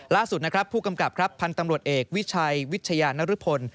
ล่าสุดนะครับผู้กำกับครับพันธ์ตำรวจเอกวิชัยวิทยานรพล